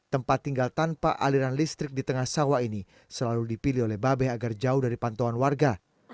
tempat tinggal tanpa aliran listrik di tengah sawah ini selalu dipilih oleh babeh agar jauh dari pantauan warga